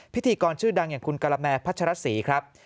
พิธีกรชื่อดังอย่างคุณกะละแมพัชรศรีครับ